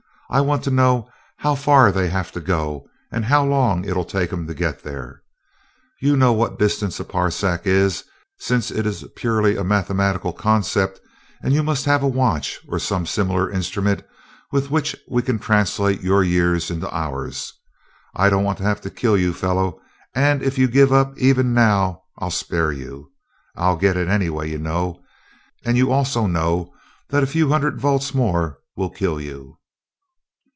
I want to know how far they have to go and how long it'll take them to get there. You know what distance a parsec is, since it is purely a mathematical concept; and you must have a watch or some similar instrument with which we can translate your years into ours. I don't want to have to kill you, fellow, and if you'll give up even now I'll spare you. I'll get it anyway, you know and you also know that a few hundred volts more will kill you."